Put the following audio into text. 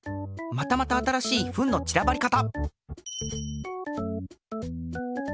またまた新しいフンのちらばり方！